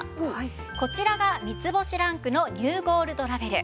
こちらが３つ星ランクのニューゴールドラベル。